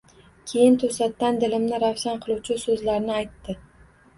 Keyin to’satdan dilimni ravshan qiluvchi so’zlarni aytdi.